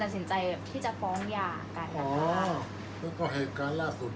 อันไหนที่มันไม่จริงแล้วอาจารย์อยากพูด